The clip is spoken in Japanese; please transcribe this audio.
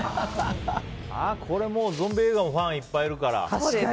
これ、ゾンビ映画もファンがいっぱいいるから。